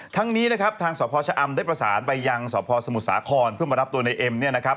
ทั้งนี้นะครับทางสพชะอำได้ประสานไปยังสพสมุทรสาครเพื่อมารับตัวในเอ็มเนี่ยนะครับ